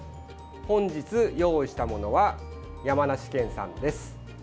本日、用意したものは山梨県産です。